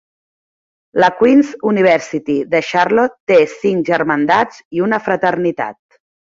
La Queens University de Charlotte té cinc germandats i una fraternitat.